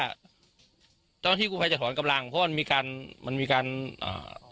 เจ้าหน้าที่กูภัยจะถอนกำลังเพราะมันมีการมันมีการอ่า